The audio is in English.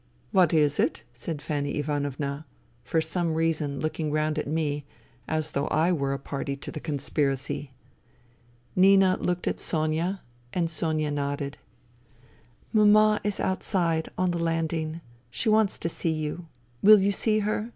" What is it ?" said Fanny Ivanovna, for some reason looking round at me, as though I were a party to the conspiracy. Nina looked at Sonia, and Sonia nodded. " Mama is outside — on the landing. She wants to see you. Will you see her ?